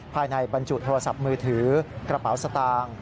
ภายในบรรจุโทรศัพท์มือถือกระเป๋าสตางค์